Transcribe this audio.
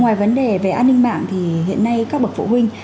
ngoài vấn đề về an ninh mạng thì hiện nay các bậc phụ huynh